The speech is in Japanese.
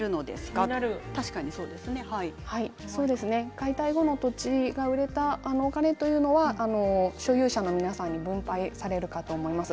解体後の土地が売れたお金というのは所有者の皆さんに分配されるかと思います。